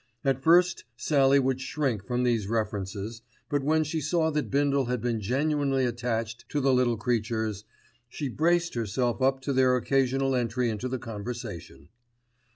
At first Sallie would shrink from these references; but when she saw that Bindle had been genuinely attached to the little creatures, she braced herself up to their occasional entry into the conversation.